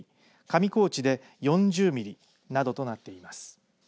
上高地で４０ミリなどとなっています。